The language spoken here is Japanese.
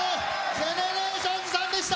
ＧＥＮＥＲＡＴＩＯＮＳさんでした！